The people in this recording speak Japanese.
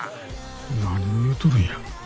何を言うとるんや？